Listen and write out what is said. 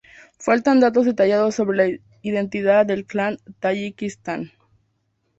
Faltan datos detallados sobre la identidad del clan en Tayikistán.